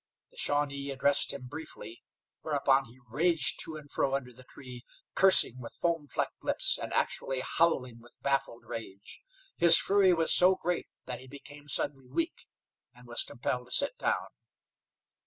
The Shawnee addressed him briefly, whereupon he raged to and fro under the tree, cursing with foam flecked lips, and actually howling with baffled rage. His fury was so great that he became suddenly weak, and was compelled to sit down.